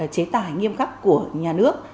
chế tài nghiêm khắc của nhà nước